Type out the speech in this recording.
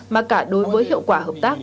mà cả đối với hiệu quả hợp tác